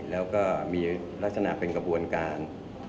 แล้วก็มีลักษณะเป็นกระบวนการ